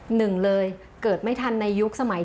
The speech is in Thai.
หนึ่งเลยเกิดไม่ทันในยุคสมัย